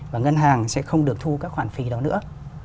và ngân hàng sẽ không được thu các khoản phí đó nữa